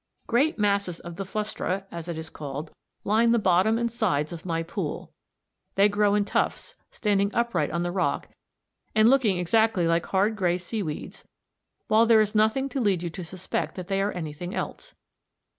Great masses of the Flustra, as it is called, line the bottom and sides of my pool. They grow in tufts, standing upright on the rock, and looking exactly like hard grey seaweeds, while there is nothing to lead you to suspect that they are anything else.